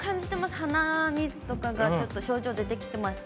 鼻水とかがちょっと症状出てきてますね。